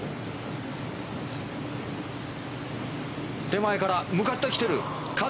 手前から向かってきてる。